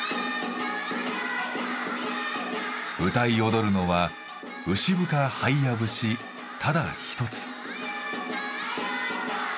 歌い踊るのは「牛深ハイヤ節」ただ一つ。